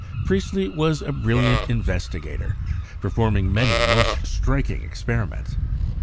Priestley was a brilliant investigator, performing many most striking experiments.